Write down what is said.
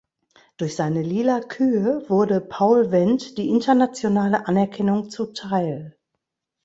Durch seine "lila Kühe" wurde Paul Wendt die internationale Anerkennung zuteil.